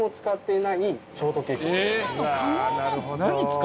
なるほど。